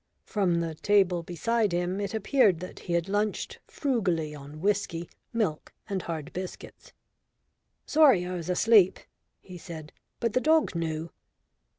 From the table beside him it appeared that he had lunched frugally on whisky, milk and hard biscuits. "Sorry I was asleep," he said. "But the dog knew."